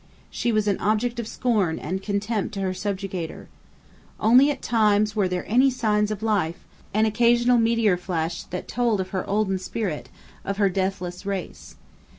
She was an object of scorn and contempt to her subjugator. Only at times were there any signs of life—an occasional meteor flash that told of her olden spirit—of her deathless race.